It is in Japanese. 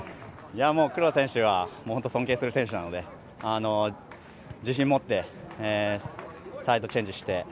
黒田選手は尊敬する選手なので自信持ってサイドチェンジして。